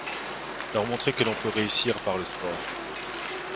Leur montrer que l’on peut réussir par le sport.